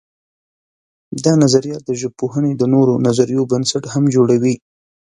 دا نظریه د ژبپوهنې د نورو نظریو بنسټ هم جوړوي.